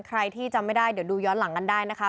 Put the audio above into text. ใครที่จำไม่ได้เดี๋ยวดูย้อนหลังกันได้นะคะ